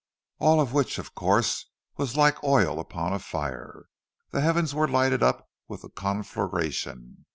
All of which, of course, was like oil upon a fire; the heavens were lighted up with the conflagration.